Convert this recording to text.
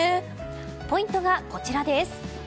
ポイントがこちらです。